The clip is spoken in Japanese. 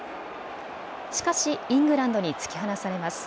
しかしイングランドに突き放されます。